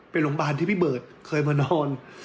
เป็นโรงพยาบาลที่พี่เบิร์ตเคยมานอน